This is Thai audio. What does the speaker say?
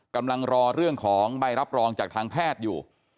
กำลังรอเรื่องของใบรับรองจากทางแพทย์อยู่